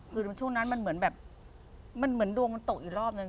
คือช่วงนั้นมันเหมือนแบบมันเหมือนดวงมันตกอีกรอบนึง